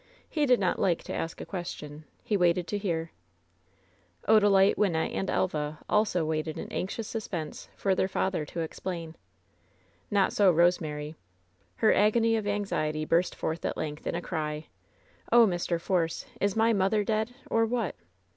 He did not like to ask a question — he waited to hear. Odalite, Wynnette and Elva also waited in anxious suspense for their father to explain. Not so Rosemary. Her agony of anxiety burst forth at length in a cry: "Oh, Mr. Force! is my mother dead, or what?"